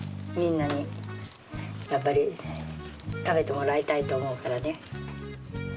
みんなにやっぱり食べてもらいたいと思うからね。